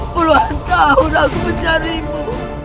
puluhan tahun aku mencarimu